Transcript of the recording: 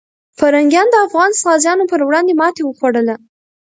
پرنګیان د افغان غازیو پر وړاندې ماتې وخوړله.